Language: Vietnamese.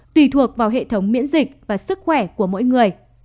chống miễn dịch và sức khỏe của mỗi người